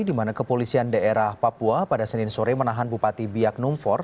di mana kepolisian daerah papua pada senin sore menahan bupati biak numfor